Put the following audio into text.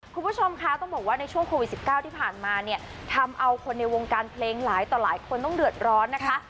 คุณผู้ชมคะต้องบอกว่าในช่วงโควิด๑๙ที่ผ่านมาเนี่ยทำเอาคนในวงการเพลงหลายต่อหลายคนต้องเดือดร้อนนะคะ